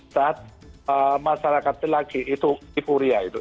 saat masyarakat itu lagi itu iburia itu